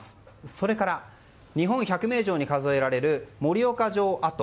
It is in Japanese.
それから日本１００名城に数えられる盛岡城跡。